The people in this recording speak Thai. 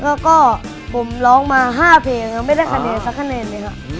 แล้วก็ผมร้องมา๕เพลงครับไม่ได้คะแนนสักคะแนนเลยครับ